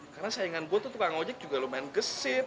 karena sayangan gua tuh tukang ojek juga lumayan gesit